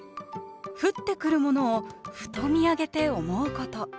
降ってくるものをふと見上げて思うこと。